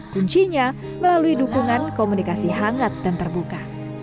kuncinya melalui dukungan komunikasi hangat dan terbuka